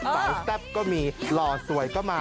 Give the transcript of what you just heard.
สแตปก็มีหล่อสวยก็มา